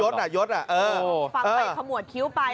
ฟังไปขมวดคิ้วไป